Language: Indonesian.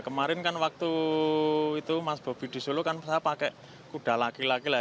kemarin kan waktu itu mas bobi di solo kan saya pakai kuda laki laki lah